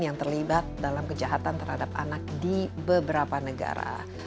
yang terlibat dalam kejahatan terhadap anak di beberapa negara